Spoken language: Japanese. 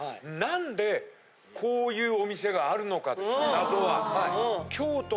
謎は。